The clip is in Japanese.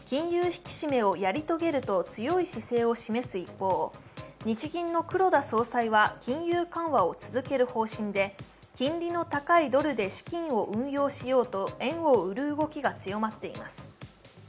引き締めをやり遂げると強い姿勢を示す一方日銀の黒田総裁は金融緩和を続ける方針で金利の高いドルで資金を運用しようと円を売る動きが強まっています。